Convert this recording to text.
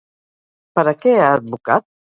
Per a què ha advocat?